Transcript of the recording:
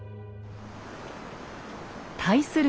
対する